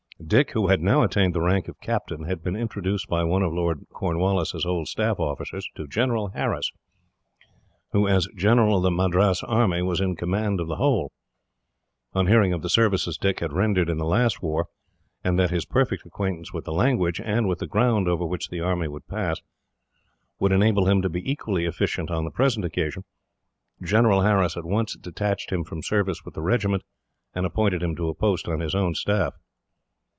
Dick, who had now attained the rank of captain, had been introduced by one of Lord Cornwallis's old staff officers to General Harris, who, as general of the Madras army, was in command of the whole. On hearing of the services Dick had rendered in the last war, and that his perfect acquaintance with the language, and with the ground over which the army would pass, would enable him to be equally efficient on the present occasion, General Harris at once detached him from service with the regiment, and appointed him to a post on his own staff.